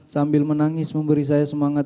sambil menangis memberi saya semangat